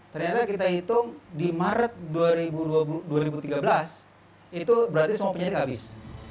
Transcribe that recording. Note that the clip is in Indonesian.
ternyata kita hitung di maret dua ribu tiga belas itu berarti semua penyidik habis